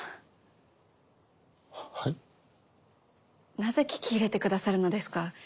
なぜ聞き入れてくださるのですか？